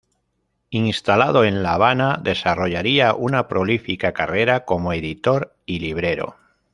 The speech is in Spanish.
Instalado en La Habana, desarrollaría una prolífica carrera como editor y librero.